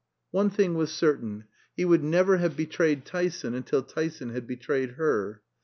One thing was certain, he would never have betrayed Tyson until Tyson had betrayed her.